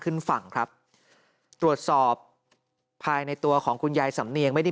ขึ้นฝั่งครับตรวจสอบภายในตัวของคุณยายสำเนียงไม่ได้